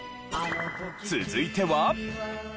続いては。